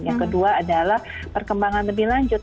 yang kedua adalah perkembangan lebih lanjut